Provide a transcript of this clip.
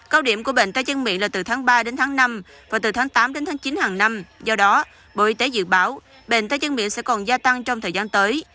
cao điểm của bệnh tay chân miệng là từ tháng ba đến tháng năm và từ tháng tám đến tháng chín hàng năm do đó bộ y tế dự báo bệnh tay chân miệng sẽ còn gia tăng trong thời gian tới